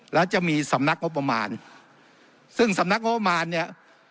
แล้วจะมีสำนักงบประมาณซึ่งสำนักงบประมาณเนี่ย